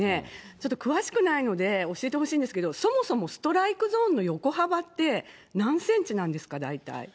ちょっと詳しくないので、教えてほしいんですけど、そもそもストライクゾーンの横幅って何センチなんですか、大体。